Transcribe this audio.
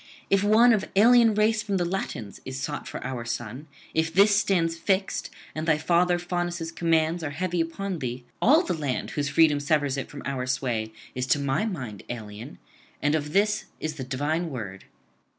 If one of alien race from the Latins is sought for our son, if this stands fixed, and thy father Faunus' commands are heavy upon thee, all the land whose freedom severs it from our sway is to my mind alien, and of this is the divine word.